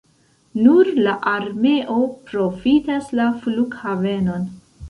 Nur la armeo profitas la flughavenon.